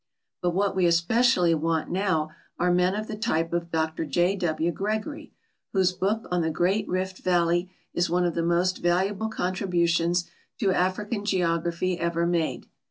But what we especially want now are men of the type of Dr J. W. Gregory, whose book on the Great Rift valley is one of the most valuable contributions to African geography ever made.